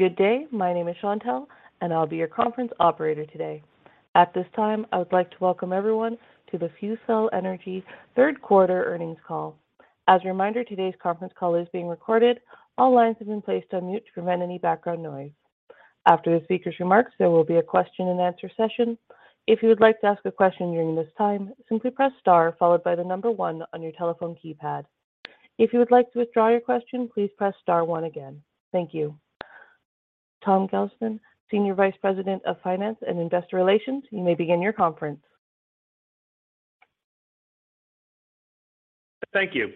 Good day. My name is Chantelle, and I'll be your conference operator today. At this time, I would like to welcome everyone to the FuelCell Energy third quarter earnings call. As a reminder, today's conference call is being recorded. All lines have been placed on mute to prevent any background noise. After the speaker's remarks, there will be a question and answer session. If you would like to ask a question during this time, simply press star followed by the number one on your telephone keypad. If you would like to withdraw your question, please press star one again. Thank you. Tom Gelston, Senior Vice President of Finance and Investor Relations, you may begin your conference. Thank you.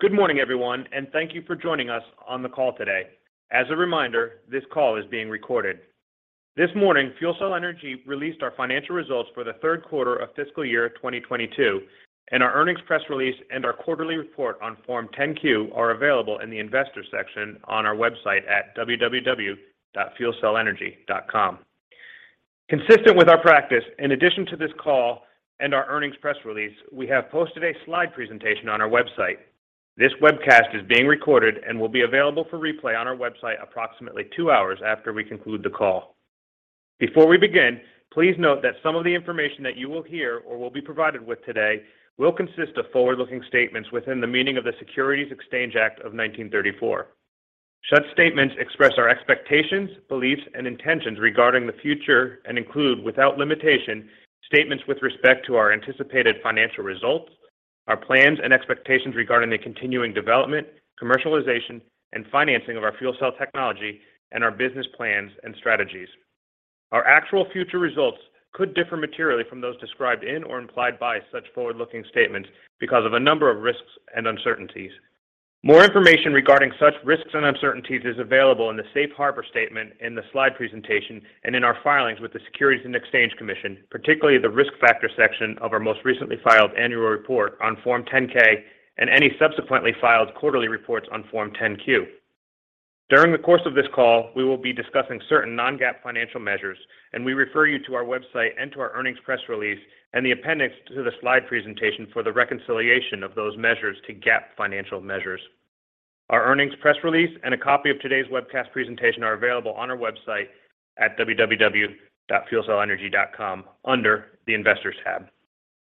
Good morning, everyone, and thank you for joining us on the call today. As a reminder, this call is being recorded. This morning, FuelCell Energy released our financial results for the third quarter of fiscal year 2022, and our earnings press release and our quarterly report on Form 10-Q are available in the investors section on our website at www.fuelcellenergy.com. Consistent with our practice, in addition to this call and our earnings press release, we have posted a slide presentation on our website. This webcast is being recorded and will be available for replay on our website approximately 2 hours after we conclude the call. Before we begin, please note that some of the information that you will hear or will be provided with today will consist of forward-looking statements within the meaning of the Securities Exchange Act of 1934. Such statements express our expectations, beliefs, and intentions regarding the future and include, without limitation, statements with respect to our anticipated financial results, our plans and expectations regarding the continuing development, commercialization, and financing of our fuel cell technology, and our business plans and strategies. Our actual future results could differ materially from those described in or implied by such forward-looking statements because of a number of risks and uncertainties. More information regarding such risks and uncertainties is available in the safe harbor statement in the slide presentation and in our filings with the Securities and Exchange Commission, particularly the Risk Factor section of our most recently filed annual report on Form 10-K and any subsequently filed quarterly reports on Form 10-Q. During the course of this call, we will be discussing certain non-GAAP financial measures, and we refer you to our website and to our earnings press release and the appendix to the slide presentation for the reconciliation of those measures to GAAP financial measures. Our earnings press release and a copy of today's webcast presentation are available on our website at www.fuelcellenergy.com under the Investors tab.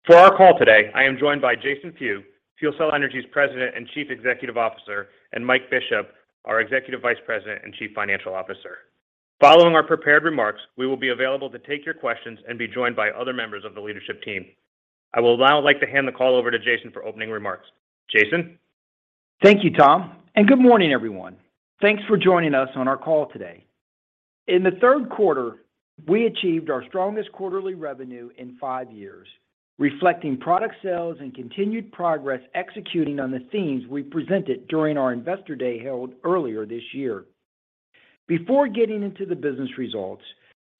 For our call today, I am joined by Jason Few, FuelCell Energy's President and Chief Executive Officer, and Mike Bishop, our Executive Vice President and Chief Financial Officer. Following our prepared remarks, we will be available to take your questions and be joined by other members of the leadership team. I would now like to hand the call over to Jason for opening remarks. Jason. Thank you, Tom, and good morning, everyone. Thanks for joining us on our call today. In the third quarter, we achieved our strongest quarterly revenue in five years, reflecting product sales and continued progress executing on the themes we presented during our Investor Day held earlier this year. Before getting into the business results,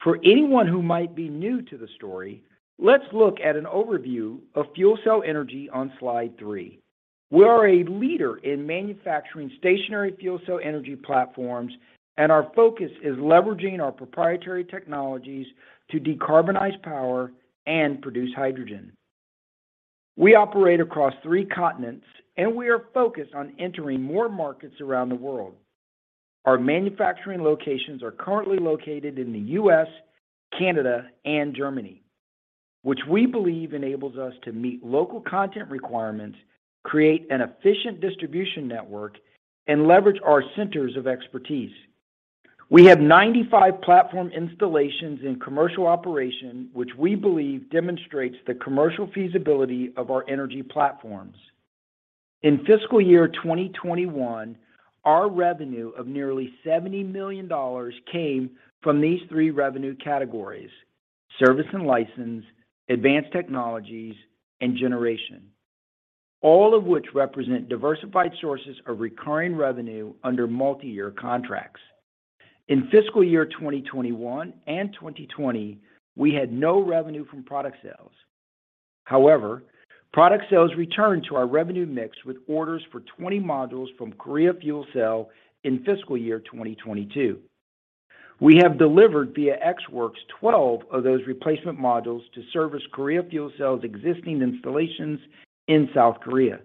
for anyone who might be new to the story, let's look at an overview of FuelCell Energy on slide three. We are a leader in manufacturing stationary fuel cell energy platforms, and our focus is leveraging our proprietary technologies to decarbonize power and produce hydrogen. We operate across three continents, and we are focused on entering more markets around the world. Our manufacturing locations are currently located in the U.S., Canada, and Germany, which we believe enables us to meet local content requirements, create an efficient distribution network, and leverage our centers of expertise. We have 95 platform installations in commercial operation, which we believe demonstrates the commercial feasibility of our energy platforms. In fiscal year 2021, our revenue of nearly $70 million came from these three revenue categories, service and license, advanced technologies, and generation, all of which represent diversified sources of recurring revenue under multi-year contracts. In fiscal year 2021 and 2020, we had no revenue from product sales. However, product sales returned to our revenue mix with orders for 20 modules from Korea Fuel Cell in fiscal year 2022. We have delivered via Ex Works 12 of those replacement modules to service Korea Fuel Cell's existing installations in South Korea.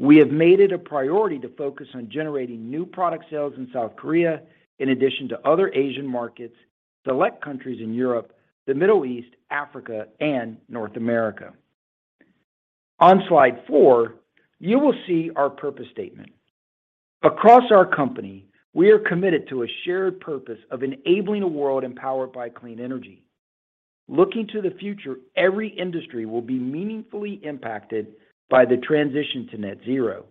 We have made it a priority to focus on generating new product sales in South Korea in addition to other Asian markets, select countries in Europe, the Middle East, Africa, and North America. On slide four, you will see our purpose statement. Across our company, we are committed to a shared purpose of enabling a world empowered by clean energy. Looking to the future, every industry will be meaningfully impacted by the transition to net zero,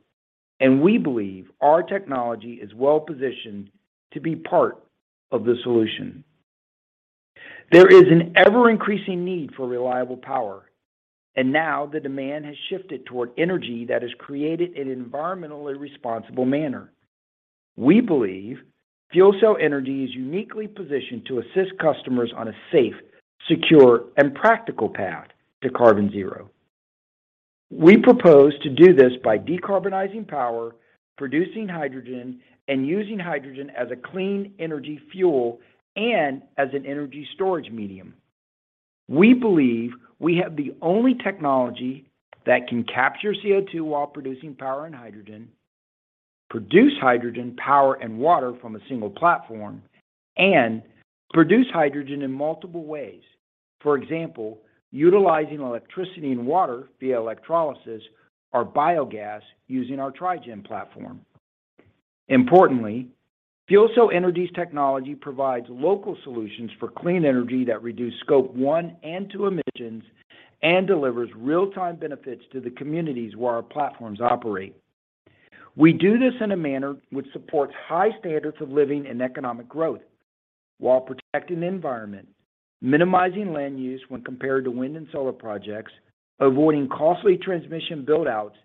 and we believe our technology is well-positioned to be part of the solution. There is an ever-increasing need for reliable power, and now the demand has shifted toward energy that is created in an environmentally responsible manner. We believe FuelCell Energy is uniquely positioned to assist customers on a safe, secure, and practical path to carbon zero. We propose to do this by decarbonizing power, producing hydrogen, and using hydrogen as a clean energy fuel and as an energy storage medium. We believe we have the only technology that can capture CO2 while producing power and hydrogen, produce hydrogen power and water from a single platform, and produce hydrogen in multiple ways. For example, utilizing electricity and water via electrolysis or biogas using our Tri-gen platform. Importantly, FuelCell Energy's technology provides local solutions for clean energy that reduce Scope 1 and Scope 2 emissions and delivers real-time benefits to the communities where our platforms operate. We do this in a manner which supports high standards of living and economic growth while protecting the environment, minimizing land use when compared to wind and solar projects, avoiding costly transmission build-outs,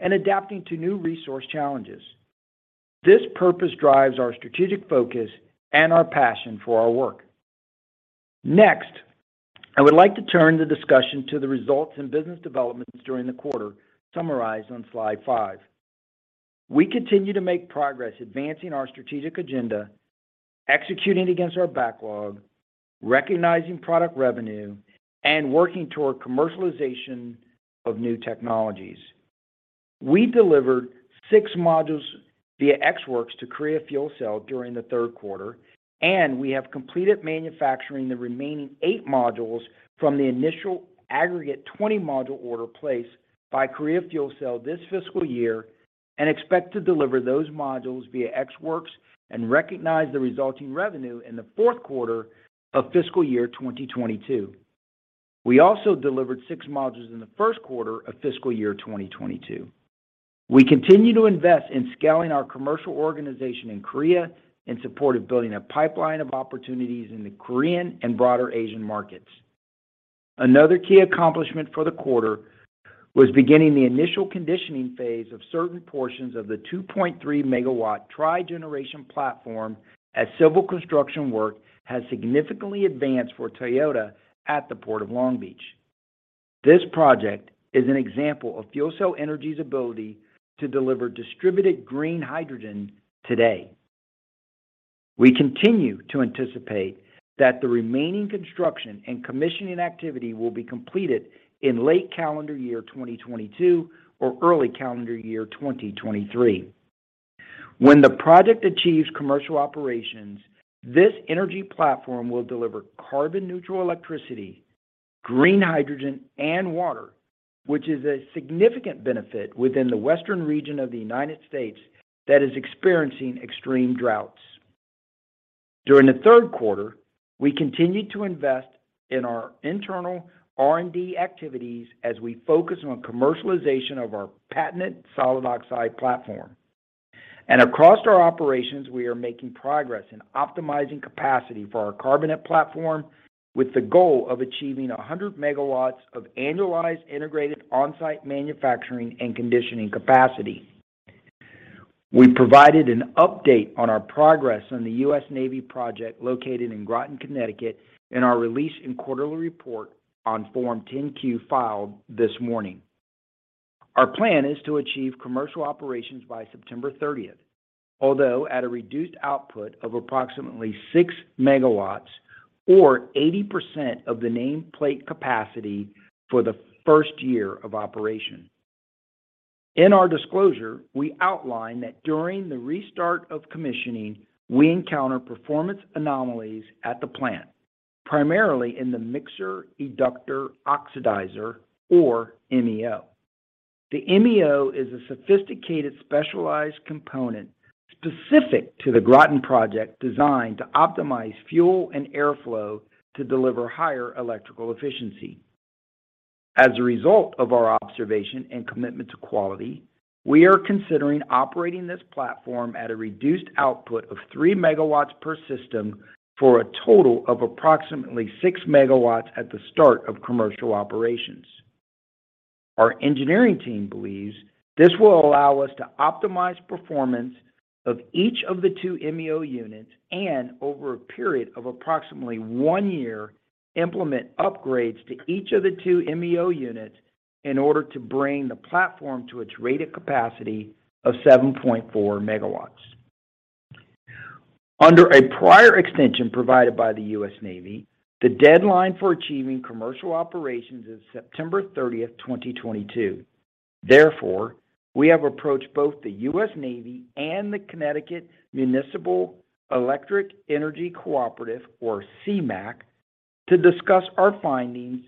and adapting to new resource challenges. This purpose drives our strategic focus and our passion for our work. Next, I would like to turn the discussion to the results in business developments during the quarter summarized on slide five. We continue to make progress advancing our strategic agenda, executing against our backlog, recognizing product revenue, and working toward commercialization of new technologies. We delivered six modules via Ex Works to Korea Fuel Cell during the third quarter, and we have completed manufacturing the remaining eight modules from the initial aggregate 20-module order placed by Korea Fuel Cell this fiscal year and expect to deliver those modules via Ex Works and recognize the resulting revenue in the fourth quarter of fiscal year 2022. We also delivered six modules in the first quarter of fiscal year 2022. We continue to invest in scaling our commercial organization in Korea in support of building a pipeline of opportunities in the Korean and broader Asian markets. Another key accomplishment for the quarter was beginning the initial conditioning phase of certain portions of the 2.3 MW trigeneration platform as civil construction work has significantly advanced for Toyota at the Port of Long Beach. This project is an example of FuelCell Energy's ability to deliver distributed green hydrogen today. We continue to anticipate that the remaining construction and commissioning activity will be completed in late calendar year 2022 or early calendar year 2023. When the project achieves commercial operations, this energy platform will deliver carbon-neutral electricity, green hydrogen, and water, which is a significant benefit within the western region of the United States that is experiencing extreme droughts. During the third quarter, we continued to invest in our internal R&D activities as we focus on commercialization of our patented solid oxide platform. Across our operations, we are making progress in optimizing capacity for our carbonate platform with the goal of achieving 100 MW of annualized integrated on-site manufacturing and conditioning capacity. We provided an update on our progress on the U.S. Navy project located in Groton, Connecticut, in our release and quarterly report on Form 10-Q filed this morning. Our plan is to achieve commercial operations by September 30th, although at a reduced output of approximately 6 MW or 80% of the nameplate capacity for the first year of operation. In our disclosure, we outline that during the restart of commissioning, we encounter performance anomalies at the plant, primarily in the mixer eductor oxidizer or MEO. The MEO is a sophisticated, specialized component specific to the Groton project designed to optimize fuel and airflow to deliver higher electrical efficiency. As a result of our observation and commitment to quality, we are considering operating this platform at a reduced output of 3 MW per system for a total of approximately 6 MW at the start of commercial operations. Our engineering team believes this will allow us to optimize performance of each of the two MEO units and over a period of approximately one year, implement upgrades to each of the two MEO units in order to bring the platform to its rated capacity of 7.4 MW. Under a prior extension provided by the U.S. Navy, the deadline for achieving commercial operations is September 30, 2022. Therefore, we have approached both the U.S. Navy and the Connecticut Municipal Electric Energy Cooperative or CMEEC, to discuss our findings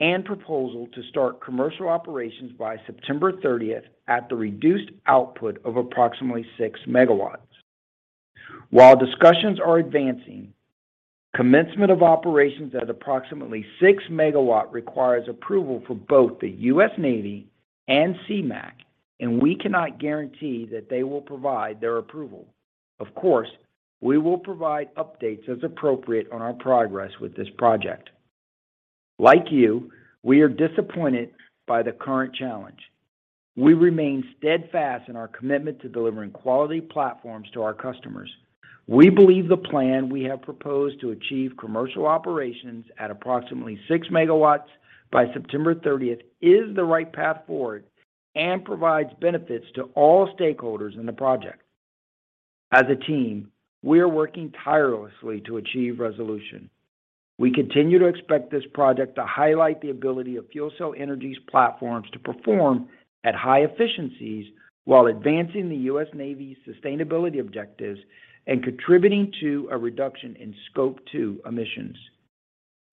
and proposal to start commercial operations by September 30th at the reduced output of approximately 6 MW. While discussions are advancing, commencement of operations at approximately 6 MW requires approval from both the U.S. Navy and CMEEC, and we cannot guarantee that they will provide their approval. Of course, we will provide updates as appropriate on our progress with this project. Like you, we are disappointed by the current challenge. We remain steadfast in our commitment to delivering quality platforms to our customers. We believe the plan we have proposed to achieve commercial operations at approximately 6 MW by September thirtieth is the right path forward and provides benefits to all stakeholders in the project. As a team, we are working tirelessly to achieve resolution. We continue to expect this project to highlight the ability of FuelCell Energy's platforms to perform at high efficiencies while advancing the U.S. Navy's sustainability objectives and contributing to a reduction in Scope 2 emissions.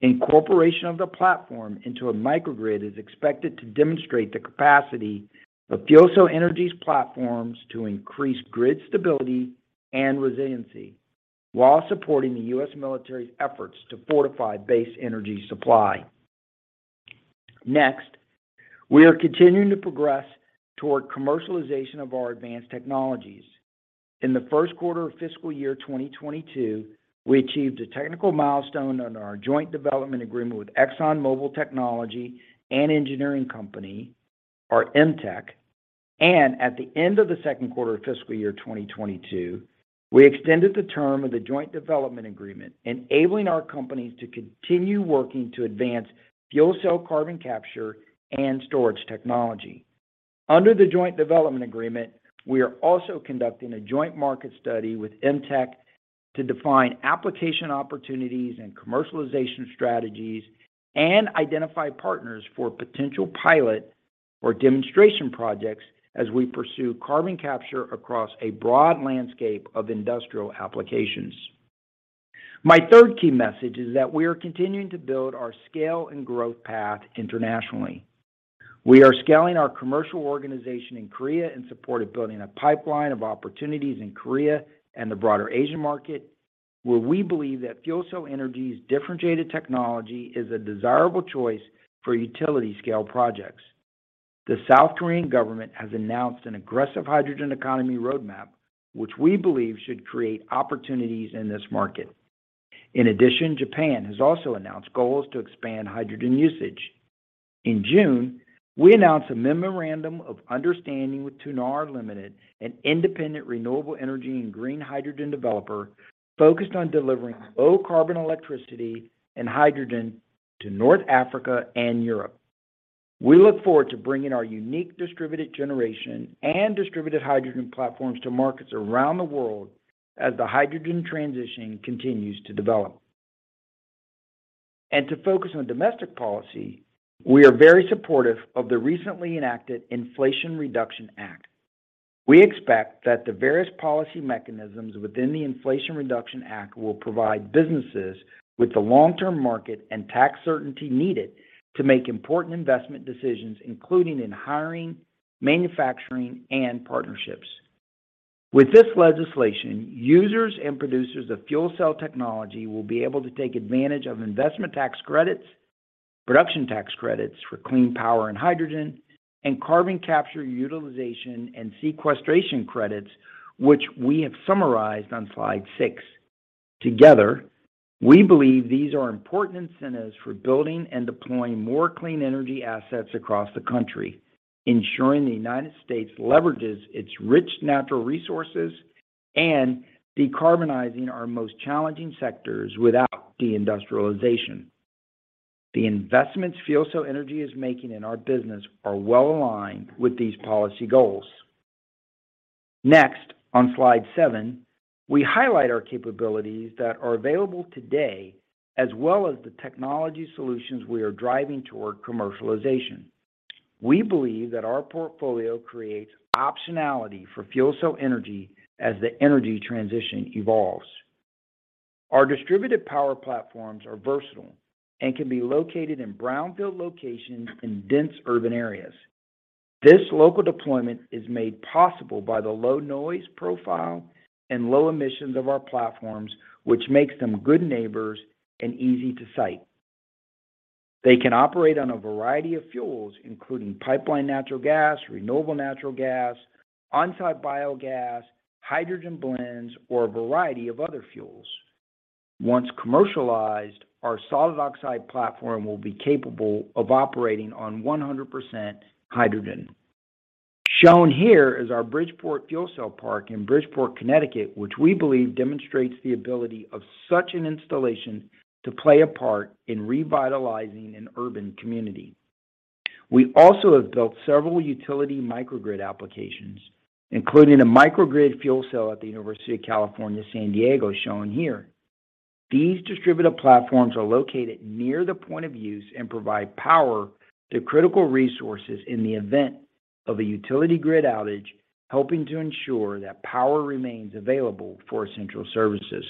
Incorporation of the platform into a microgrid is expected to demonstrate the capacity of FuelCell Energy's platforms to increase grid stability and resiliency while supporting the U.S. military's efforts to fortify base energy supply. Next, we are continuing to progress toward commercialization of our advanced technologies. In the first quarter of fiscal year 2022, we achieved a technical milestone on our joint development agreement with ExxonMobil Technology and Engineering Company, or EMTEC. At the end of the second quarter of fiscal year 2022, we extended the term of the joint development agreement, enabling our companies to continue working to advance fuel cell carbon capture and storage technology. Under the joint development agreement, we are also conducting a joint market study with EMTEC to define application opportunities and commercialization strategies and identify partners for potential pilot or demonstration projects as we pursue carbon capture across a broad landscape of industrial applications. My third key message is that we are continuing to build our scale and growth path internationally. We are scaling our commercial organization in Korea in support of building a pipeline of opportunities in Korea and the broader Asian market, where we believe that FuelCell Energy's differentiated technology is a desirable choice for utility scale projects. The South Korean government has announced an aggressive hydrogen economy roadmap, which we believe should create opportunities in this market. In addition, Japan has also announced goals to expand hydrogen usage. In June, we announced a memorandum of understanding with TuNur Ltd, an independent renewable energy and green hydrogen developer focused on delivering low carbon electricity and hydrogen to North Africa and Europe. We look forward to bringing our unique distributed generation and distributed hydrogen platforms to markets around the world as the hydrogen transition continues to develop. To focus on domestic policy, we are very supportive of the recently enacted Inflation Reduction Act. We expect that the various policy mechanisms within the Inflation Reduction Act will provide businesses with the long-term market and tax certainty needed to make important investment decisions, including in hiring, manufacturing, and partnerships. With this legislation, users and producers of fuel cell technology will be able to take advantage of investment tax credits, production tax credits for clean power and hydrogen, and carbon capture utilization and sequestration credits, which we have summarized on slide six. Together, we believe these are important incentives for building and deploying more clean energy assets across the country, ensuring the United States leverages its rich natural resources and decarbonizing our most challenging sectors without deindustrialization. The investments FuelCell Energy is making in our business are well aligned with these policy goals. Next, on slide seven, we highlight our capabilities that are available today, as well as the technology solutions we are driving toward commercialization. We believe that our portfolio creates optionality for FuelCell Energy as the energy transition evolves. Our distributed power platforms are versatile and can be located in brownfield locations in dense urban areas. This local deployment is made possible by the low noise profile and low emissions of our platforms, which makes them good neighbors and easy to site. They can operate on a variety of fuels, including pipeline natural gas, renewable natural gas, on-site biogas, hydrogen blends, or a variety of other fuels. Once commercialized, our solid oxide platform will be capable of operating on 100% hydrogen. Shown here is our Bridgeport Fuel Cell Park in Bridgeport, Connecticut, which we believe demonstrates the ability of such an installation to play a part in revitalizing an urban community. We also have built several utility microgrid applications, including a microgrid fuel cell at the University of California, San Diego, shown here. These distributed platforms are located near the point of use and provide power to critical resources in the event of a utility grid outage, helping to ensure that power remains available for essential services.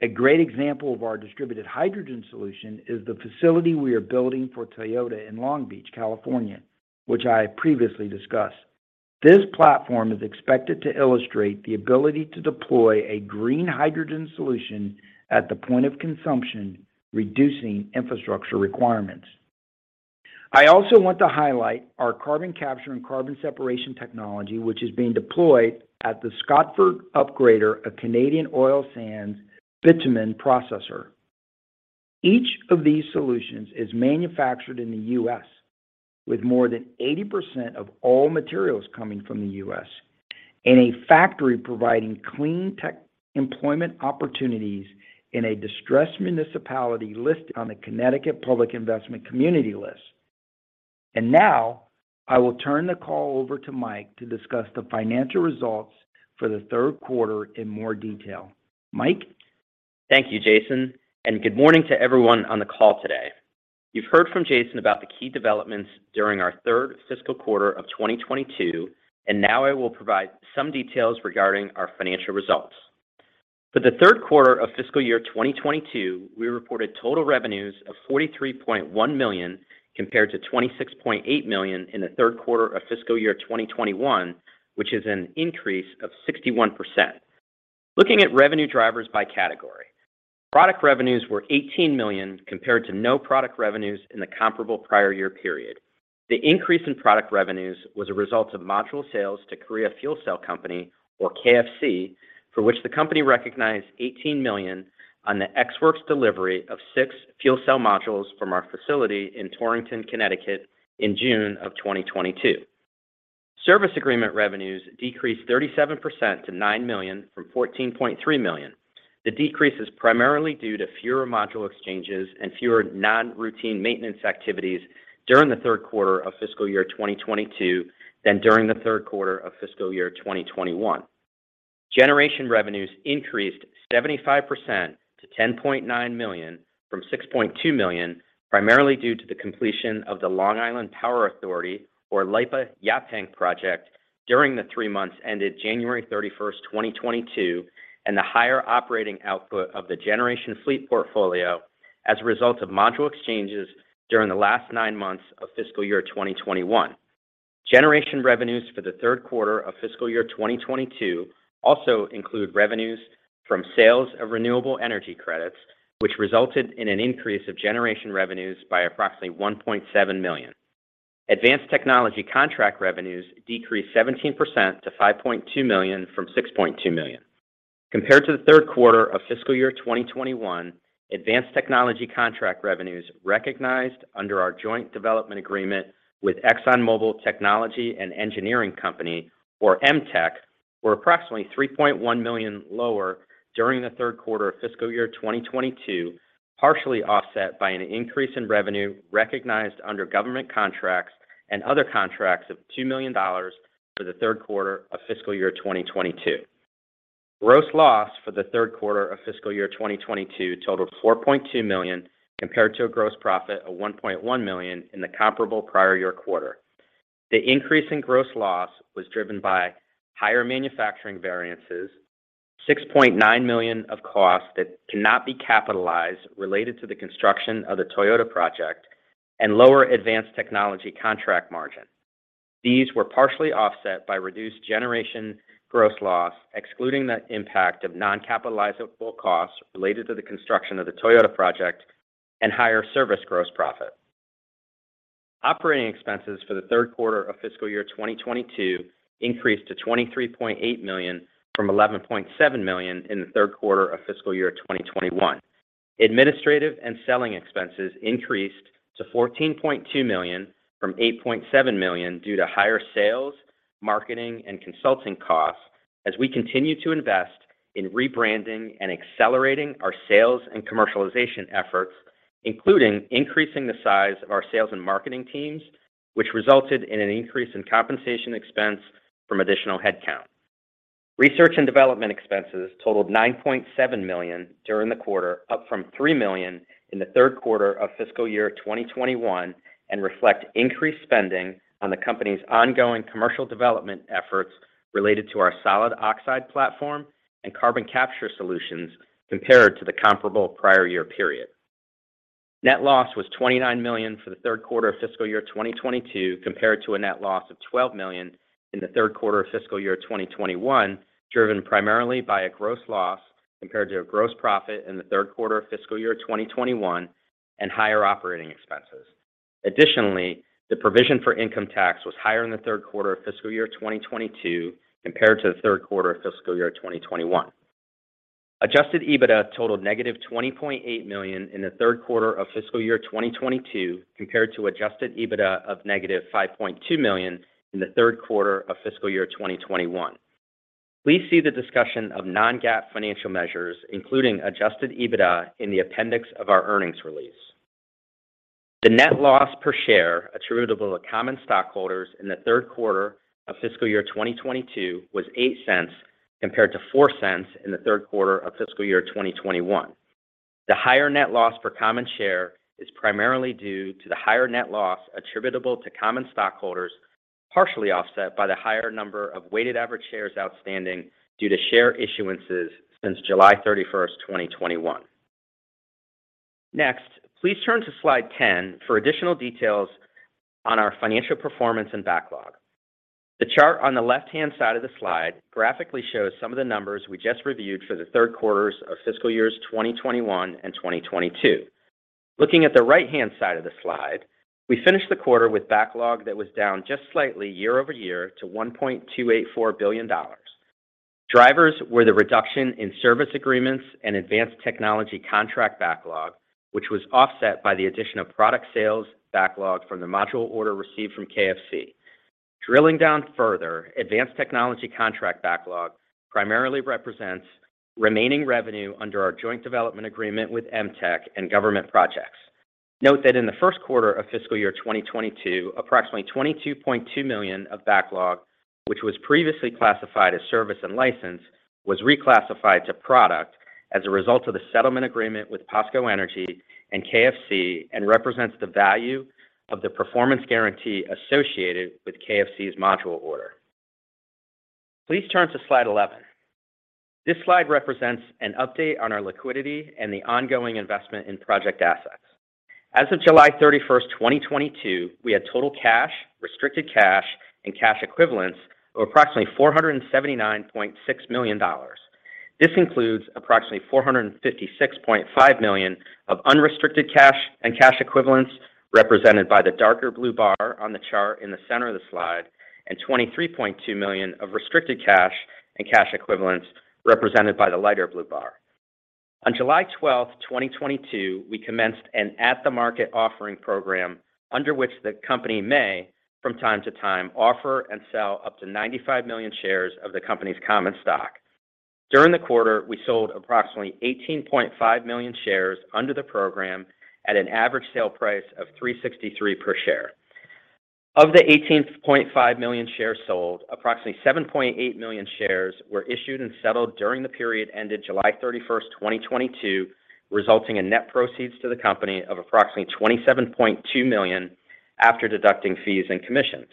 A great example of our distributed hydrogen solution is the facility we are building for Toyota in Long Beach, California, which I previously discussed. This platform is expected to illustrate the ability to deploy a green hydrogen solution at the point of consumption, reducing infrastructure requirements. I also want to highlight our carbon capture and carbon separation technology, which is being deployed at the Scotford Upgrader, a Canadian oil sands bitumen processor. Each of these solutions is manufactured in the U.S., with more than 80% of all materials coming from the U.S., in a factory providing clean tech employment opportunities in a distressed municipality listed on the Connecticut Public Investment Community list. Now I will turn the call over to Mike to discuss the financial results for the third quarter in more detail. Mike? Thank you, Jason, and good morning to everyone on the call today. You've heard from Jason about the key developments during our third fiscal quarter of 2022, and now I will provide some details regarding our financial results. For the third quarter of fiscal year 2022, we reported total revenues of $43.1 million, compared to $26.8 million in the third quarter of fiscal year 2021, which is an increase of 61%. Looking at revenue drivers by category, product revenues were $18 million compared to no product revenues in the comparable prior year period. The increase in product revenues was a result of module sales to Korea Fuel Cell Co., Ltd., or KFC, for which the company recognized $18 million on the Ex Works delivery of six fuel cell modules from our facility in Torrington, Connecticut, in June of 2022. Service agreement revenues decreased 37% to $9 million from $14.3 million. The decrease is primarily due to fewer module exchanges and fewer non-routine maintenance activities during the third quarter of fiscal year 2022 than during the third quarter of fiscal year 2021. Generation revenues increased 75% to $10.9 million from $6.2 million, primarily due to the completion of the Long Island Power Authority, or LIPA, Yaphank project during the three months ended January 31, 2022, and the higher operating output of the generation fleet portfolio as a result of module exchanges during the last nine months of fiscal year 2021. Generation revenues for the third quarter of fiscal year 2022 also include revenues from sales of renewable energy credits, which resulted in an increase of generation revenues by approximately $1.7 million. Advanced technology contract revenues decreased 17% to $5.2 million from $6.2 million. Compared to the third quarter of fiscal year 2021, advanced technology contract revenues recognized under our joint development agreement with ExxonMobil Technology and Engineering Company, or EMTEC, were approximately $3.1 million lower during the third quarter of fiscal year 2022, partially offset by an increase in revenue recognized under government contracts and other contracts of $2 million for the third quarter of fiscal year 2022. Gross loss for the third quarter of fiscal year 2022 totaled $4.2 million, compared to a gross profit of $1.1 million in the comparable prior year quarter. The increase in gross loss was driven by higher manufacturing variances, $6.9 million of costs that cannot be capitalized related to the construction of the Toyota project, and lower advanced technology contract margin. These were partially offset by reduced generation gross loss, excluding the impact of non-capitalizable costs related to the construction of the Toyota project and higher service gross profit. Operating expenses for the third quarter of fiscal year 2022 increased to $23.8 million from $11.7 million in the third quarter of fiscal year 2021. Administrative and selling expenses increased to $14.2 million from $8.7 million due to higher sales, marketing, and consulting costs as we continue to invest in rebranding and accelerating our sales and commercialization efforts, including increasing the size of our sales and marketing teams, which resulted in an increase in compensation expense from additional headcount. Research and development expenses totaled $9.7 million during the quarter, up from $3 million in the third quarter of fiscal year 2021, and reflect increased spending on the company's ongoing commercial development efforts related to our solid oxide platform and carbon capture solutions compared to the comparable prior year period. Net loss was $29 million for the third quarter of fiscal year 2022, compared to a net loss of $12 million in the third quarter of fiscal year 2021, driven primarily by a gross loss compared to a gross profit in the third quarter of fiscal year 2021 and higher operating expenses. Additionally, the provision for income tax was higher in the third quarter of fiscal year 2022 compared to the third quarter of fiscal year 2021. Adjusted EBITDA totaled -$20.8 million in the third quarter of fiscal year 2022 compared to adjusted EBITDA of -$5.2 million in the third quarter of fiscal year 2021. Please see the discussion of non-GAAP financial measures, including adjusted EBITDA, in the appendix of our earnings release. The net loss per share attributable to common stockholders in the third quarter of fiscal year 2022 was $0.08 compared to $0.04 in the third quarter of fiscal year 2021. The higher net loss per common share is primarily due to the higher net loss attributable to common stockholders, partially offset by the higher number of weighted average shares outstanding due to share issuances since July 31st, 2021. Next, please turn to slide 10 for additional details on our financial performance and backlog. The chart on the left-hand side of the slide graphically shows some of the numbers we just reviewed for the third quarters of fiscal years 2021 and 2022. Looking at the right-hand side of the slide, we finished the quarter with backlog that was down just slightly year-over-year to $1.284 billion. Drivers were the reduction in service agreements and advanced technology contract backlog, which was offset by the addition of product sales backlog from the module order received from KFC. Drilling down further, advanced technology contract backlog primarily represents remaining revenue under our joint development agreement with EMTEC and government projects. Note that in the first quarter of fiscal year 2022, approximately $22.2 million of backlog, which was previously classified as service and license, was reclassified to product as a result of the settlement agreement with POSCO Energy and KFC, and represents the value of the performance guarantee associated with KFC's module order. Please turn to slide 11. This slide represents an update on our liquidity and the ongoing investment in project assets. As of July 31st, 2022, we had total cash, restricted cash, and cash equivalents of approximately $479.6 million. This includes approximately $456.5 million of unrestricted cash and cash equivalents, represented by the darker blue bar on the chart in the center of the slide, and $23.2 million of restricted cash and cash equivalents, represented by the lighter blue bar. On July 12, 2022, we commenced an at-the-market offering program under which the company may, from time to time, offer and sell up to 95 million shares of the company's common stock. During the quarter, we sold approximately 18.5 million shares under the program at an average sale price of $3.63 per share. Of the 18.5 million shares sold, approximately 7.8 million shares were issued and settled during the period ended July 31st, 2022, resulting in net proceeds to the company of approximately $27.2 million after deducting fees and commissions.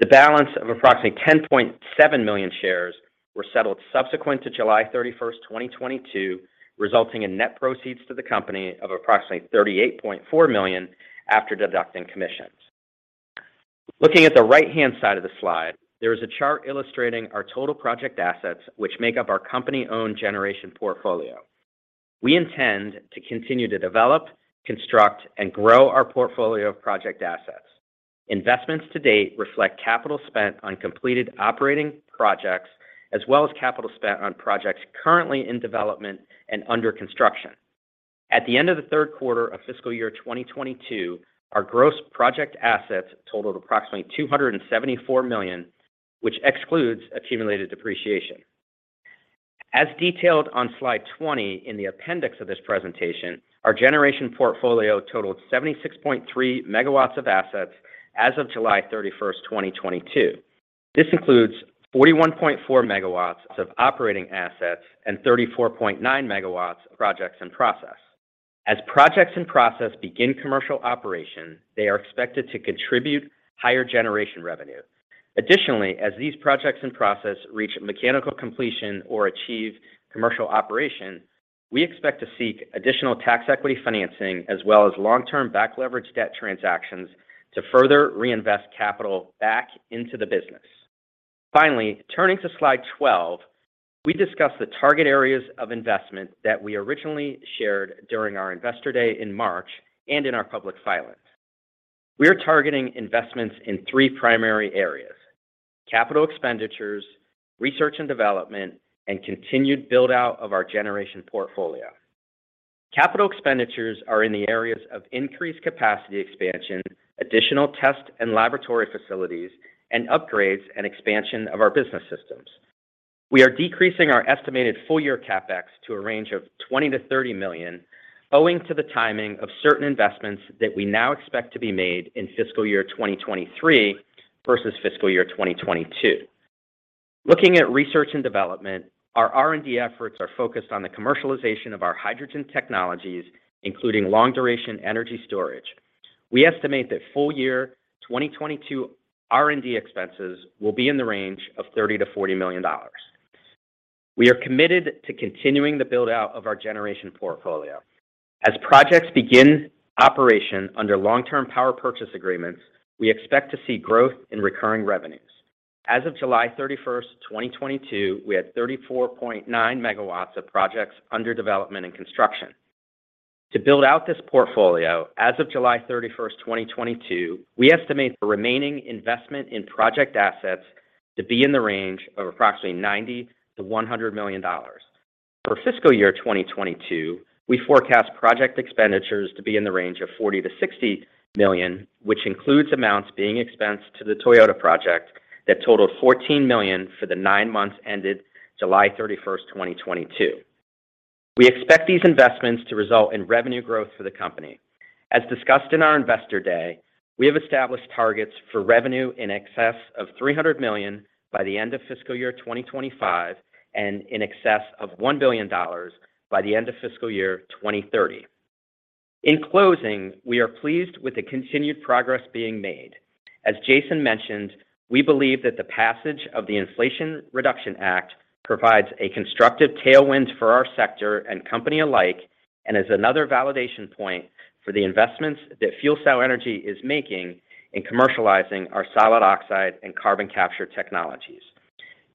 The balance of approximately 10.7 million shares were settled subsequent to July 31st, 2022, resulting in net proceeds to the company of approximately $38.4 million after deducting commissions. Looking at the right-hand side of the slide, there is a chart illustrating our total project assets, which make up our company-owned generation portfolio. We intend to continue to develop, construct, and grow our portfolio of project assets. Investments to date reflect capital spent on completed operating projects, as well as capital spent on projects currently in development and under construction. At the end of the third quarter of fiscal year 2022, our gross project assets totaled approximately $274 million, which excludes accumulated depreciation. As detailed on slide 20 in the appendix of this presentation, our generation portfolio totaled 76.3 MW of assets as of July 31st, 2022. This includes 41.4 MW of operating assets and 34.9 MW of projects in process. As projects in process begin commercial operation, they are expected to contribute higher generation revenue. Additionally, as these projects in process reach mechanical completion or achieve commercial operation, we expect to seek additional tax equity financing, as well as long-term back-leveraged debt transactions to further reinvest capital back into the business. Finally, turning to slide 12, we discuss the target areas of investment that we originally shared during our Investor Day in March and in our public filings. We are targeting investments in three primary areas, capital expenditures, research and development, and continued build-out of our generation portfolio. Capital expenditures are in the areas of increased capacity expansion, additional test and laboratory facilities, and upgrades and expansion of our business systems. We are decreasing our estimated full-year CapEx to a range of $20 to $30 million, owing to the timing of certain investments that we now expect to be made in fiscal year 2023 versus fiscal year 2022. Looking at research and development, our R&D efforts are focused on the commercialization of our hydrogen technologies, including long-duration energy storage. We estimate that full-year 2022 R&D expenses will be in the range of $30 to $40 million. We are committed to continuing the build-out of our generation portfolio. As projects begin operation under long-term power purchase agreements, we expect to see growth in recurring revenues. As of July 31, 2022, we had 34.9 MW of projects under development and construction. To build out this portfolio, as of July 31st, 2022, we estimate the remaining investment in project assets to be in the range of approximately $90 to $100 million. For fiscal year 2022, we forecast project expenditures to be in the range of $40 to $60 million, which includes amounts being expensed to the Toyota project that totaled $14 million for the nine months ended July 31st, 2022. We expect these investments to result in revenue growth for the company. As discussed in our Investor Day, we have established targets for revenue in excess of $300 million by the end of fiscal year 2025 and in excess of $1 billion by the end of fiscal year 2030. In closing, we are pleased with the continued progress being made. As Jason mentioned, we believe that the passage of the Inflation Reduction Act provides a constructive tailwind for our sector and company alike and is another validation point for the investments that FuelCell Energy is making in commercializing our solid oxide and carbon capture technologies.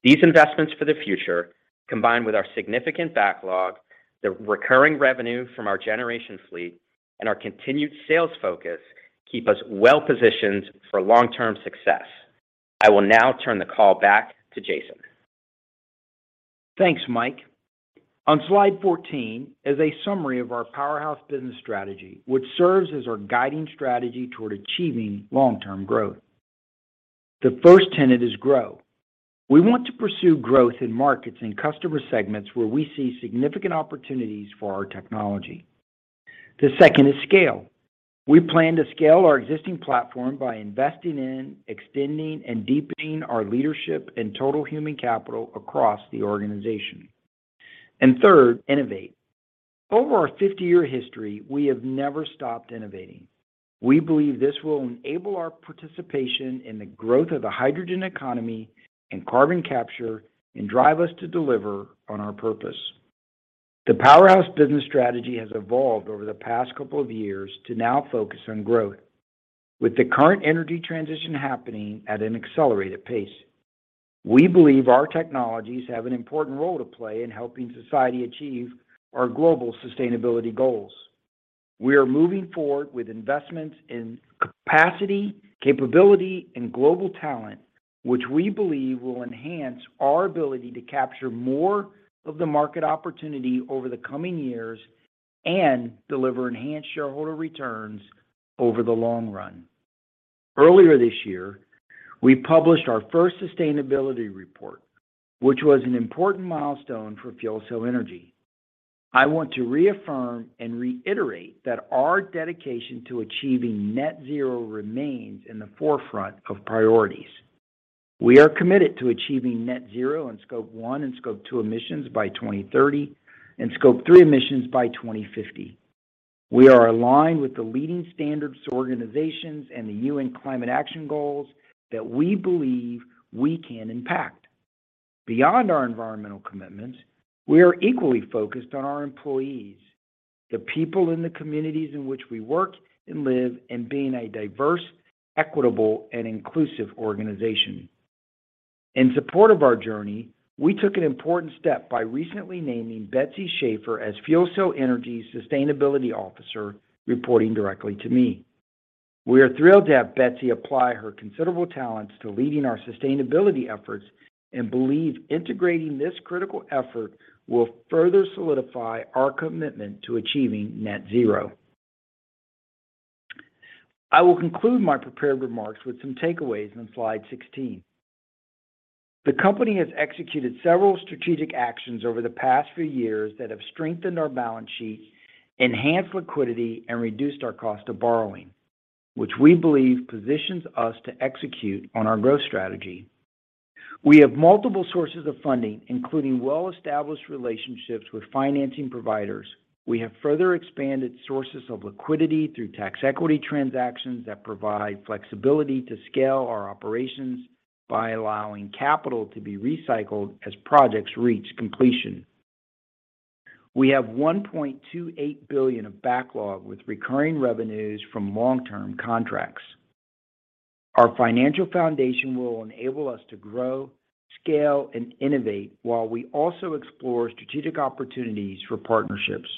These investments for the future, combined with our significant backlog, the recurring revenue from our generation fleet, and our continued sales focus, keep us well-positioned for long-term success. I will now turn the call back to Jason. Thanks, Mike. On slide 14 is a summary of our powerhouse business strategy, which serves as our guiding strategy toward achieving long-term growth. The first tenet is grow. We want to pursue growth in markets and customer segments where we see significant opportunities for our technology. The second is scale. We plan to scale our existing platform by investing in extending and deepening our leadership and total human capital across the organization. Third, innovate. Over our 50-year history, we have never stopped innovating. We believe this will enable our participation in the growth of the hydrogen economy and carbon capture and drive us to deliver on our purpose. The powerhouse business strategy has evolved over the past couple of years to now focus on growth with the current energy transition happening at an accelerated pace. We believe our technologies have an important role to play in helping society achieve our global sustainability goals. We are moving forward with investments in capacity, capability, and global talent, which we believe will enhance our ability to capture more of the market opportunity over the coming years and deliver enhanced shareholder returns over the long run. Earlier this year, we published our first sustainability report, which was an important milestone for FuelCell Energy. I want to reaffirm and reiterate that our dedication to achieving net zero remains in the forefront of priorities. We are committed to achieving net zero in Scope 1 and Scope 2 emissions by 2030 and Scope 3 emissions by 2050. We are aligned with the leading standards organizations and the UN climate action goals that we believe we can impact. Beyond our environmental commitments, we are equally focused on our employees, the people in the communities in which we work and live, and being a diverse, equitable, and inclusive organization. In support of our journey, we took an important step by recently naming Betsy Schaefer as FuelCell Energy Sustainability Officer, reporting directly to me. We are thrilled to have Betsy apply her considerable talents to leading our sustainability efforts and believe integrating this critical effort will further solidify our commitment to achieving net zero. I will conclude my prepared remarks with some takeaways on slide 16. The company has executed several strategic actions over the past few years that have strengthened our balance sheet, enhanced liquidity, and reduced our cost of borrowing, which we believe positions us to execute on our growth strategy. We have multiple sources of funding, including well-established relationships with financing providers. We have further expanded sources of liquidity through tax equity transactions that provide flexibility to scale our operations by allowing capital to be recycled as projects reach completion. We have $1.28 billion of backlog with recurring revenues from long-term contracts. Our financial foundation will enable us to grow, scale, and innovate while we also explore strategic opportunities for partnerships.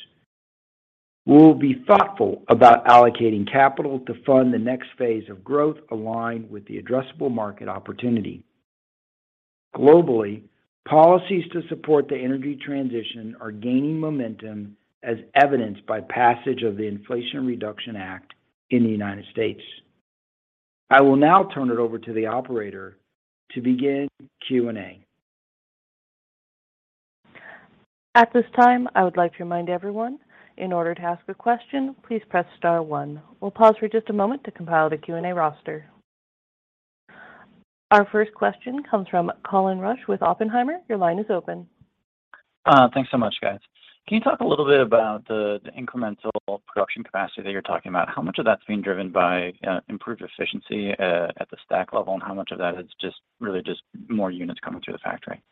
We will be thoughtful about allocating capital to fund the next phase of growth aligned with the addressable market opportunity. Globally, policies to support the energy transition are gaining momentum as evidenced by passage of the Inflation Reduction Act in the United States. I will now turn it over to the operator to begin Q&A. At this time, I would like to remind everyone, in order to ask a question, please press star one. We'll pause for just a moment to compile the Q&A roster. Our first question comes from Colin Rusch with Oppenheimer. Your line is open. Thanks so much, guys. Can you talk a little bit about the incremental production capacity that you're talking about? How much of that's being driven by improved efficiency at the stack level, and how much of that is just really just more units coming through the factory?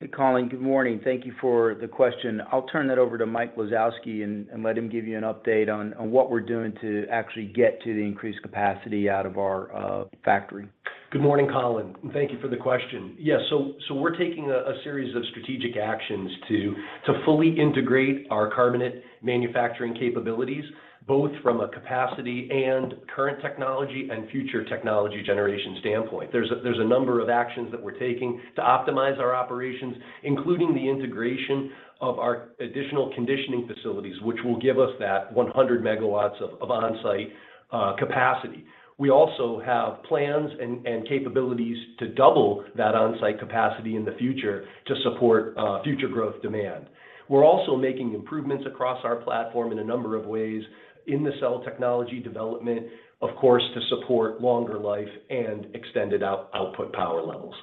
Hey, Colin. Good morning. Thank you for the question. I'll turn that over to Mike Lisowski and let him give you an update on what we're doing to actually get to the increased capacity out of our factory. Good morning, Colin, and thank you for the question. Yeah, we're taking a series of strategic actions to fully integrate our carbonate manufacturing capabilities, both from a capacity and current technology and future technology generation standpoint. There's a number of actions that we're taking to optimize our operations, including the integration of our additional conditioning facilities, which will give us that 100 MW of on-site capacity. We also have plans and capabilities to double that on-site capacity in the future to support future growth demand. We're also making improvements across our platform in a number of ways in the cell technology development, of course, to support longer life and extended output power levels.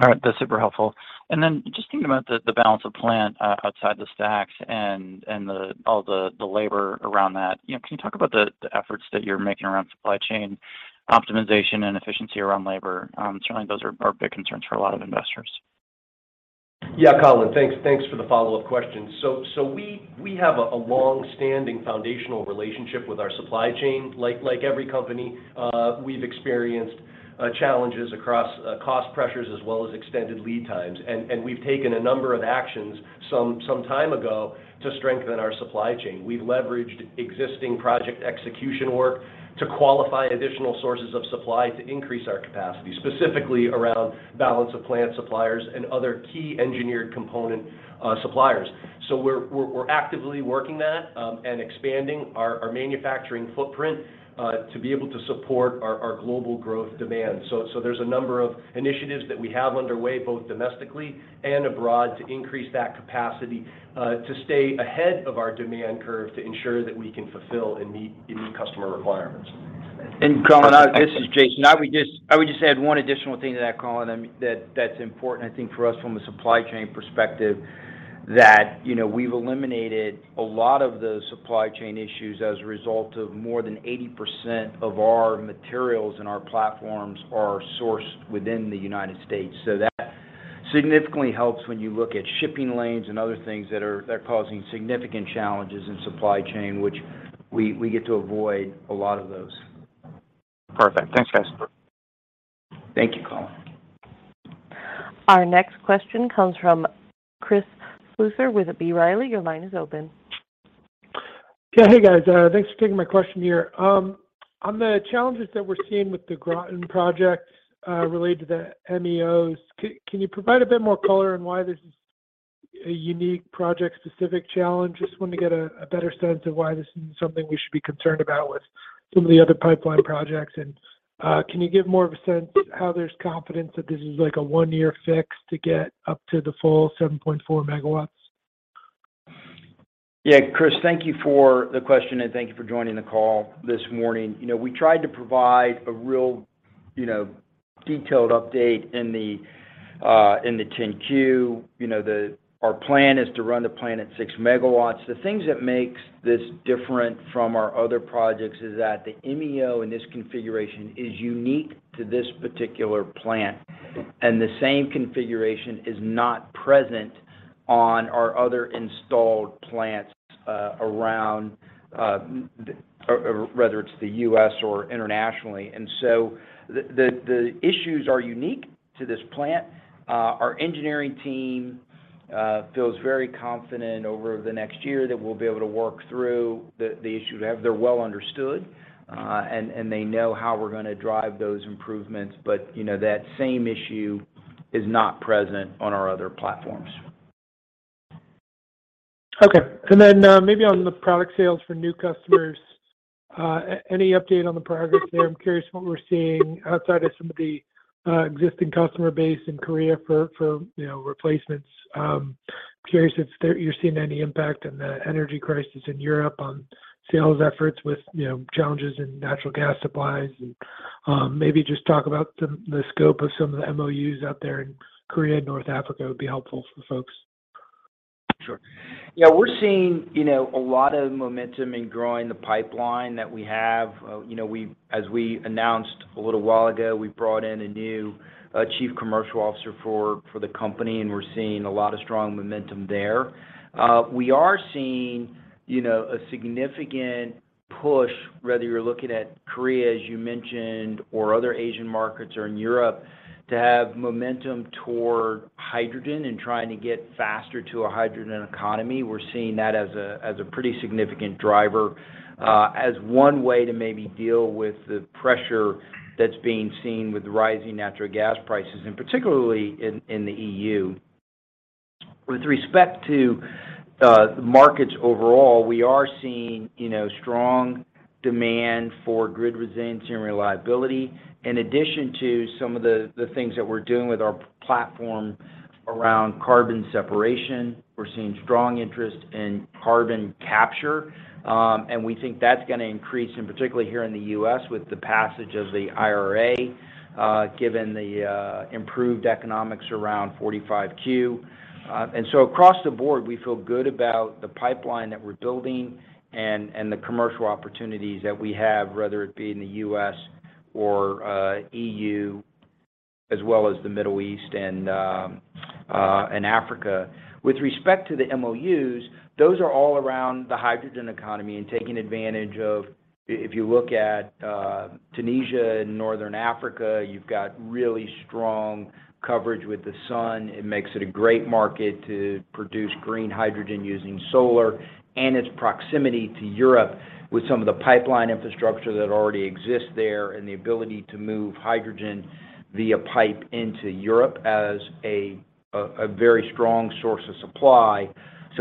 All right. That's super helpful. Just thinking about the balance of plant outside the stacks and all the labor around that, you know, can you talk about the efforts that you're making around supply chain optimization and efficiency around labor? Certainly those are big concerns for a lot of investors. Yeah, Colin, thanks for the follow-up question. We have a longstanding foundational relationship with our supply chain. Like every company, we've experienced challenges across cost pressures as well as extended lead times. We've taken a number of actions some time ago to strengthen our supply chain. We've leveraged existing project execution work to qualify additional sources of supply to increase our capacity, specifically around balance of plant suppliers and other key engineered component suppliers. We're actively working that and expanding our manufacturing footprint to be able to support our global growth demand. There's a number of initiatives that we have underway, both domestically and abroad, to increase that capacity to stay ahead of our demand curve to ensure that we can fulfill and meet any customer requirements. Colin, this is Jason. I would just add one additional thing to that, Colin, that's important I think for us from a supply chain perspective that, you know, we've eliminated a lot of the supply chain issues as a result of more than 80% of our materials and our platforms are sourced within the United States. So that significantly helps when you look at shipping lanes and other things that are causing significant challenges in supply chain, which we get to avoid a lot of those. Perfect. Thanks, guys. Thank you, Colin. Our next question comes from Chris Souther with B. Riley. Your line is open. Yeah. Hey, guys. Thanks for taking my question here. On the challenges that we're seeing with the Groton project, related to the MEOs, can you provide a bit more color on why this is a unique project-specific challenge? Just want to get a better sense of why this isn't something we should be concerned about with some of the other pipeline projects. Can you give more of a sense how there's confidence that this is, like, a one-year fix to get up to the full 7.4 MW? Yeah. Chris, thank you for the question, and thank you for joining the call this morning. You know, we tried to provide a real, you know, detailed update in the 10-Q. You know, our plan is to run the plant at 6 MW. The things that makes this different from our other projects is that the MEO in this configuration is unique to this particular plant, and the same configuration is not present on our other installed plants around, or whether it's the U.S. or internationally. The issues are unique to this plant. Our engineering team feels very confident over the next year that we'll be able to work through the issue. They're well understood, and they know how we're gonna drive those improvements. you know, that same issue is not present on our other platforms. Okay. Maybe on the product sales for new customers. Any update on the progress there? I'm curious what we're seeing outside of some of the existing customer base in Korea for replacements. Curious if you're seeing any impact in the energy crisis in Europe on sales efforts with challenges in natural gas supplies. Maybe just talk about the scope of some of the MOUs out there in Korea and North Africa would be helpful for the folks. Sure. Yeah, we're seeing, you know, a lot of momentum in growing the pipeline that we have. As we announced a little while ago, we brought in a new chief commercial officer for the company, and we're seeing a lot of strong momentum there. We are seeing, you know, a significant push, whether you're looking at Korea, as you mentioned, or other Asian markets or in Europe, to have momentum toward hydrogen and trying to get faster to a hydrogen economy. We're seeing that as a pretty significant driver, as one way to maybe deal with the pressure that's being seen with rising natural gas prices, and particularly in the EU. With respect to the markets overall, we are seeing, you know, strong demand for grid resiliency and reliability. In addition to some of the things that we're doing with our platform around carbon separation, we're seeing strong interest in carbon capture, and we think that's gonna increase, and particularly here in the U.S. with the passage of the IRA, given the improved economics around 45Q. Across the board, we feel good about the pipeline that we're building and the commercial opportunities that we have, whether it be in the U.S. or EU as well as the Middle East and Africa. With respect to the MOUs, those are all around the hydrogen economy and taking advantage of. If you look at Tunisia in Northern Africa, you've got really strong coverage with the sun. It makes it a great market to produce green hydrogen using solar and its proximity to Europe with some of the pipeline infrastructure that already exists there and the ability to move hydrogen via pipe into Europe as a very strong source of supply.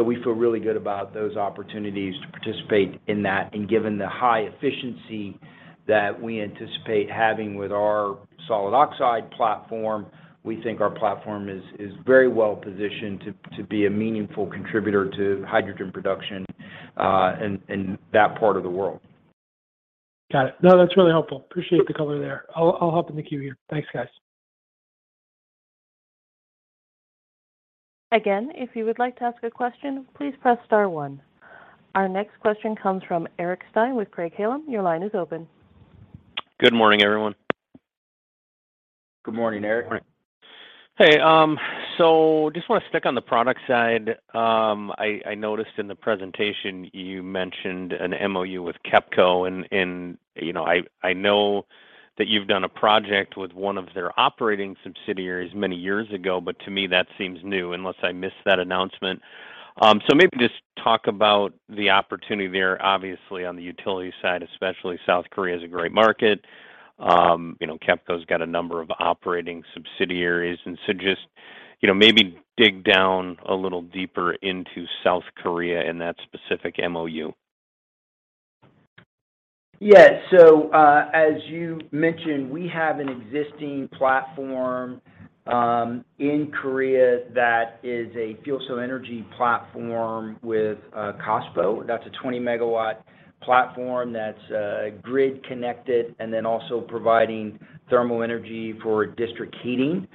We feel really good about those opportunities to participate in that. Given the high efficiency that we anticipate having with our solid oxide platform, we think our platform is very well positioned to be a meaningful contributor to hydrogen production in that part of the world. Got it. No, that's really helpful. Appreciate the color there. I'll hop in the queue here. Thanks, guys. Again, if you would like to ask a question, please press star one. Our next question comes from Eric Stine with Craig-Hallum. Your line is open. Good morning, everyone. Good morning, Eric. Hey, just want to stick on the product side. I noticed in the presentation you mentioned an MOU with KEPCO, and you know, I know that you've done a project with one of their operating subsidiaries many years ago, but to me, that seems new, unless I missed that announcement. Maybe just talk about the opportunity there. Obviously, on the utility side, especially South Korea, is a great market. You know, KEPCO's got a number of operating subsidiaries. Just you know, maybe dig down a little deeper into South Korea and that specific MOU. Yeah. As you mentioned, we have an existing platform in Korea that is a FuelCell Energy platform with KOSPO. That's a 20 MW platform that's grid connected, and then also providing thermal energy for district heating.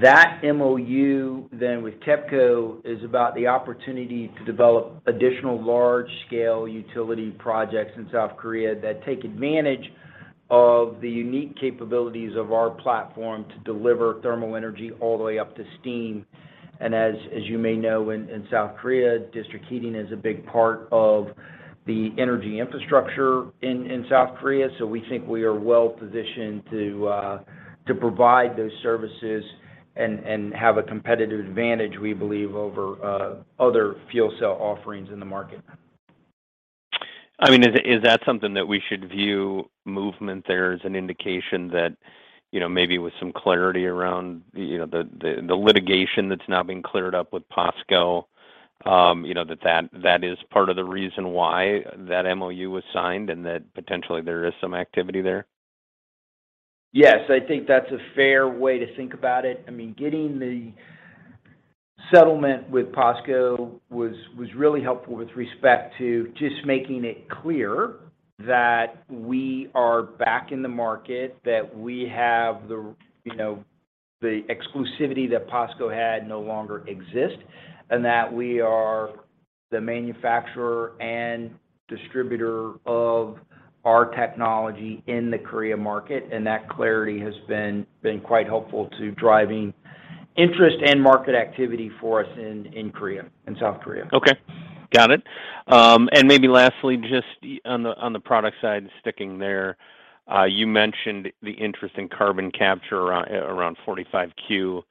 That MOU then with KEPCO is about the opportunity to develop additional large-scale utility projects in South Korea that take advantage of the unique capabilities of our platform to deliver thermal energy all the way up to steam. As you may know, in South Korea, district heating is a big part of the energy infrastructure in South Korea. We think we are well-positioned to provide those services and have a competitive advantage, we believe, over other fuel cell offerings in the market. I mean, is that something that we should view movement there as an indication that, you know, maybe with some clarity around, you know, the litigation that's now been cleared up with POSCO, you know, that is part of the reason why that MOU was signed and that potentially there is some activity there? Yes. I think that's a fair way to think about it. I mean, getting the settlement with POSCO was really helpful with respect to just making it clear that we are back in the market, that we have the, you know, the exclusivity that POSCO had no longer exist, and that we are the manufacturer and distributor of our technology in the Korea market. That clarity has been quite helpful to driving interest and market activity for us in Korea, in South Korea. Okay. Got it. Maybe lastly, just on the product side, sticking there, you mentioned the interest in carbon capture around 45Q.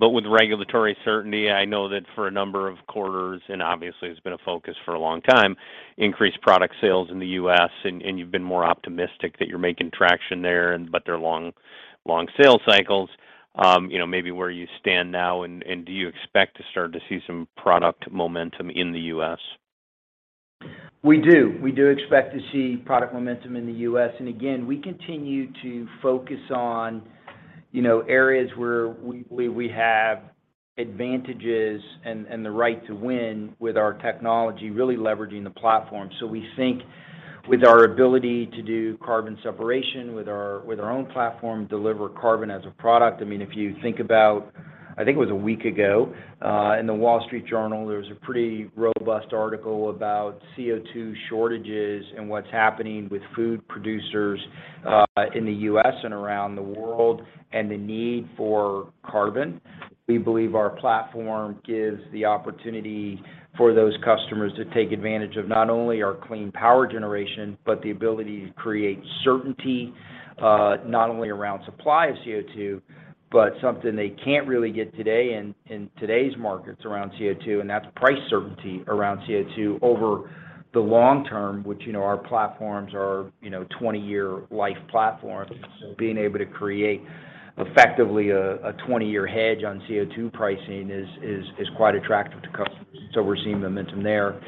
With regulatory certainty, I know that for a number of quarters, and obviously it's been a focus for a long time, increased product sales in the U.S. and you've been more optimistic that you're making traction there and they're long sales cycles. You know, maybe where you stand now and do you expect to start to see some product momentum in the U.S.? We do expect to see product momentum in the U.S. Again, we continue to focus on, you know, areas where we have advantages and the right to win with our technology, really leveraging the platform. We think with our ability to do carbon separation with our own platform, deliver carbon as a product. I mean, if you think about, I think it was a week ago, in The Wall Street Journal, there was a pretty robust article about CO2 shortages and what's happening with food producers, in the U.S. and around the world, and the need for carbon. We believe our platform gives the opportunity for those customers to take advantage of not only our clean power generation, but the ability to create certainty, not only around supply of CO2, but something they can't really get today in today's markets around CO2, and that's price certainty around CO2 over the long term, which, you know, our platforms are, you know, 20-year life platforms. Being able to create effectively a 20-year hedge on CO2 pricing is quite attractive to customers. We're seeing momentum there.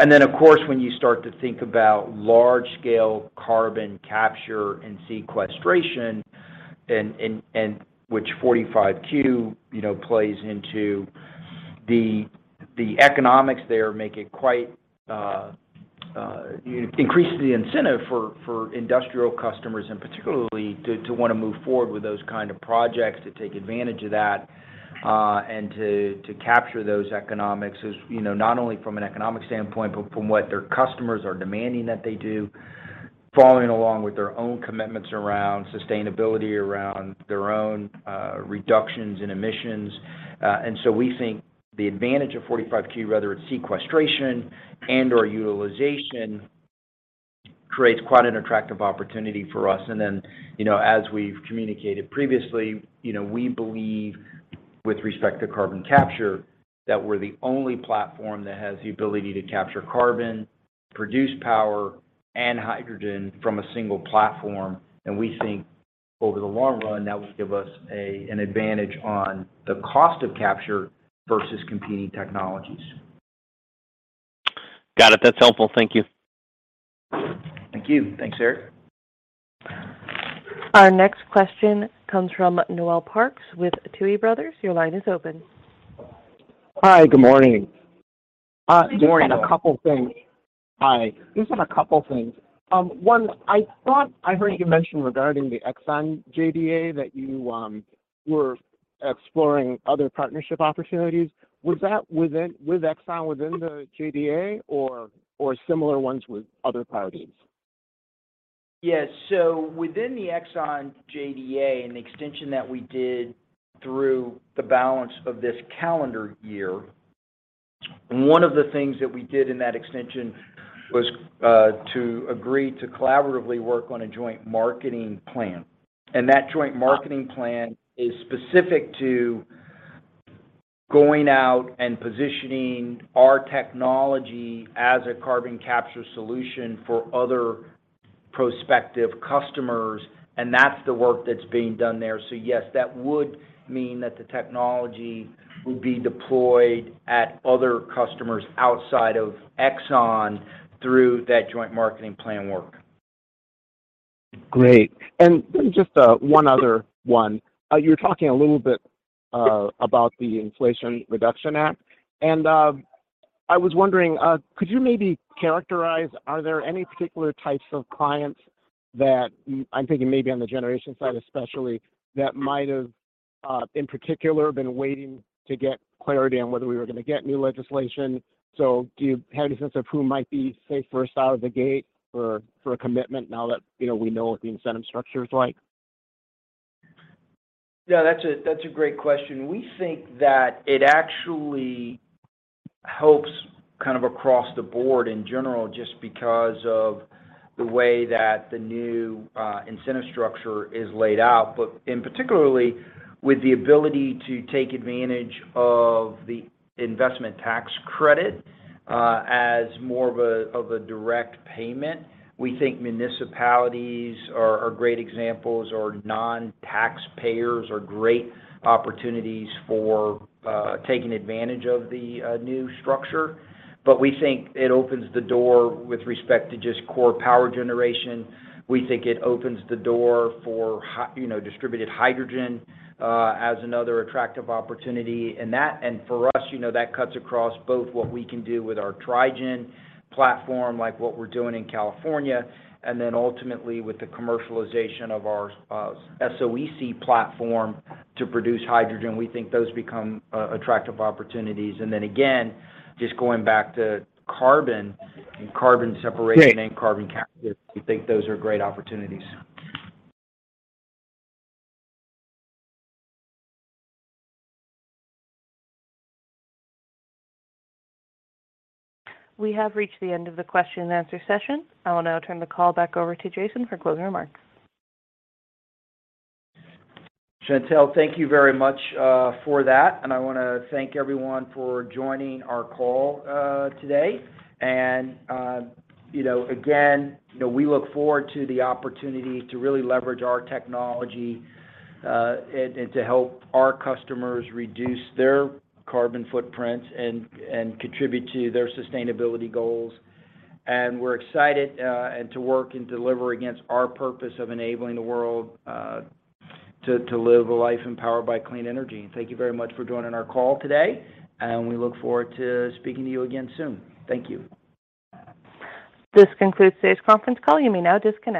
Of course, when you start to think about large-scale carbon capture and sequestration and which 45Q, you know, plays into the economics there make it quite increase the incentive for industrial customers and particularly to want to move forward with those kind of projects to take advantage of that and to capture those economics is, you know, not only from an economic standpoint, but from what their customers are demanding that they do, following along with their own commitments around sustainability, around their own reductions in emissions. We think the advantage of 45Q, whether it's sequestration and/or utilization, creates quite an attractive opportunity for us. You know, as we've communicated previously, you know, we believe with respect to carbon capture, that we're the only platform that has the ability to capture carbon, produce power and hydrogen from a single platform. We think over the long run, that will give us a, an advantage on the cost of capture versus competing technologies. Got it. That's helpful. Thank you. Thank you. Thanks, Eric. Our next question comes from Noel Parks with Tuohy Brothers. Your line is open. Hi. Good morning. Good morning. Just have a couple things. Hi. One, I thought I heard you mention regarding the ExxonMobil JDA that you were exploring other partnership opportunities. Was ExxonMobil within the JDA or similar ones with other parties? Yes. Within the ExxonMobil JDA and the extension that we did through the balance of this calendar year, one of the things that we did in that extension was to agree to collaboratively work on a joint marketing plan. That joint marketing plan is specific to going out and positioning our technology as a carbon capture solution for other prospective customers, and that's the work that's being done there. Yes, that would mean that the technology will be deployed at other customers outside of ExxonMobil through that joint marketing plan work. Great. Just one other one. You were talking a little bit about the Inflation Reduction Act, and I was wondering, could you maybe characterize, are there any particular types of clients that I'm thinking maybe on the generation side especially, that might have in particular been waiting to get clarity on whether we were gonna get new legislation? So do you have any sense of who might be, say, first out of the gate for a commitment now that, you know, we know what the incentive structure is like? Yeah, that's a great question. We think that it actually helps kind of across the board in general just because of the way that the new incentive structure is laid out. In particular, with the ability to take advantage of the investment tax credit as more of a direct payment, we think municipalities are great examples or non-taxpayers are great opportunities for taking advantage of the new structure. We think it opens the door with respect to just core power generation. We think it opens the door for you know, distributed hydrogen as another attractive opportunity. For us, you know, that cuts across both what we can do with our Tri-gen platform, like what we're doing in California, and then ultimately with the commercialization of our SOEC platform to produce hydrogen. We think those become attractive opportunities. Again, just going back to carbon sequestration. Great Carbon capture, we think those are great opportunities. We have reached the end of the question and answer session. I will now turn the call back over to Jason for closing remarks. Chantelle, thank you very much for that. I wanna thank everyone for joining our call today. You know, again, you know, we look forward to the opportunity to really leverage our technology, and to help our customers reduce their carbon footprint and contribute to their sustainability goals. We're excited and to work and deliver against our purpose of enabling the world to live a life empowered by clean energy. Thank you very much for joining our call today, and we look forward to speaking to you again soon. Thank you. This concludes today's conference call. You may now disconnect.